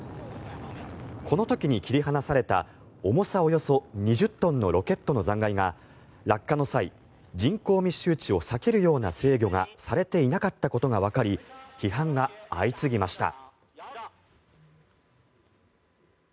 この時に切り離された重さおよそ２０トンのロケットの残骸が落下の際、人口密集地を避けるような制御がされていなかったことがわかり批判が相次ぎました。